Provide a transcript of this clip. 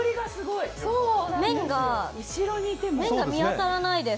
麺が見当たらないです。